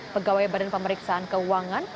pegawai badan pemeriksaan keuangan